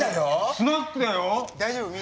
スナックだよ。